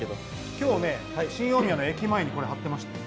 今日ね、新大宮の駅前にこれ貼ってましたよ。